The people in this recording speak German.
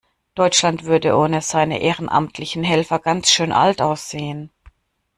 Deutschland würde ohne seine ehrenamtlichen Helfer ganz schön alt aussehen.